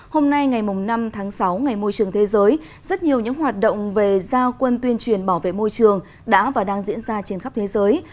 hôm nay ngày năm tháng sáu ngày môi trường thế giới rất nhiều những hoạt động về giao quân tuyên truyền bảo vệ môi trường đã và đang diễn ra trên khắp thế giới